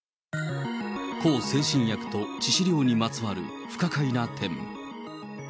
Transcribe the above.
向精神薬と致死量にまつわる不可解な点。